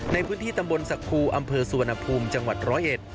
ในพื้นที่ตำบลสักครูอำเภอสุวรรณภูมิจังหวัดร้อยเอ็ด